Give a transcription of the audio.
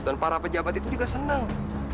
dan para pejabat itu juga senang